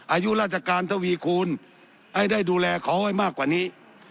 อายุราชการทวีคูณให้ได้ดูแลเขาให้มากกว่านี้